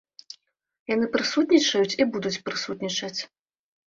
Яны прысутнічаюць і будуць прысутнічаць.